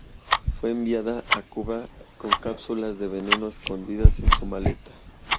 Fue enviada a Cuba con cápsulas de veneno escondidas en su maleta.